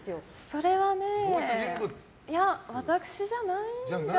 それはね、私じゃないんじゃ。